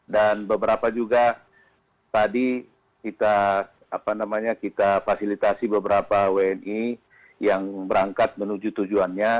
dan beberapa juga tadi kita fasilitasi beberapa wni yang berangkat menuju tujuannya